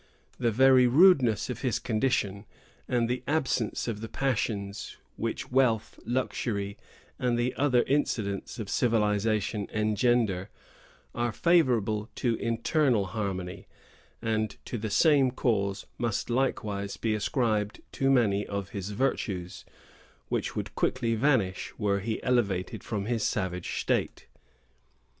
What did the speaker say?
The very rudeness of his condition, and the absence of the passions which wealth, luxury, and the other incidents of civilization engender, are favorable to internal harmony; and to the same cause must likewise be ascribed too many of his virtues, which would quickly vanish, were he elevated from his savage state.